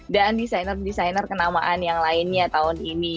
dan desainer desainer kenamaan yang lainnya tahun ini